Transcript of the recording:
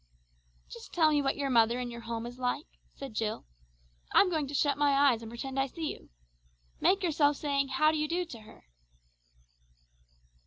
"Just tell me what your mother and your home is like," said Jill. "I'm going to shut my eyes and pretend I see you. Make yourself saying 'How do you do,' to her."